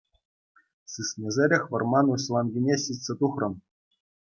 Сисмесӗрех вӑрман уҫланкине ҫитсе тухрӑм.